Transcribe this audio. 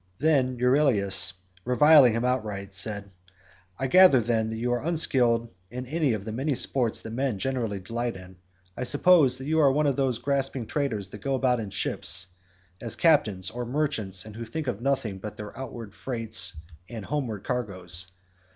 Then Euryalus reviled him outright and said, "I gather, then, that you are unskilled in any of the many sports that men generally delight in. I suppose you are one of those grasping traders that go about in ships as captains or merchants, and who think of nothing but of their outward freights and homeward cargoes.